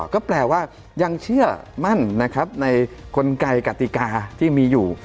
ก็แปลว่ายังเชื่อมั่นนะครับในกลไกกติกาที่มีอยู่